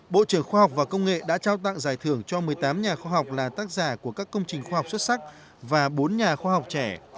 bộ trưởng khoa học và công nghệ đã trao tặng giải thưởng cho một mươi tám nhà khoa học là tác giả của các công trình khoa học xuất sắc và bốn nhà khoa học trẻ